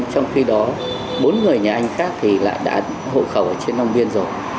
trong khi đó bốn người nhà anh khác thì lại đã hộ khẩu ở trên long biên rồi